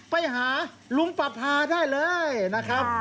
ไปหาลุงประพาได้เลยนะครับ